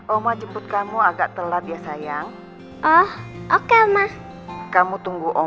oma jemput kamu agak telat ya sayang